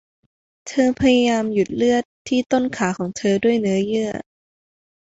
เธอพยายามหยุดเลือดที่ต้นขาของเธอด้วยเนื้อเยื่อ